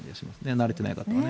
慣れていない方はね。